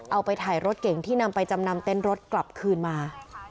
เอาไปถ่ายรถเก่งที่นำไปจำนำเต้นรถกลับคืนมา